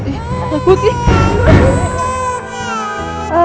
eh takut ya